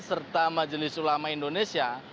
serta majelis ulama indonesia